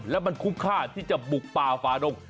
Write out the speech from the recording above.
แล้วมันคุ้มค่าที่จะบุกป่าฝาดง